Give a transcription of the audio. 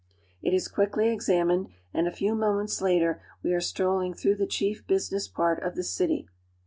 It is quickly examined, and a few moments later we are strolling through the chief business part of the city.